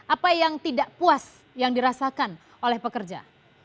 apa yang tidak puas yang dirasakan oleh pekerja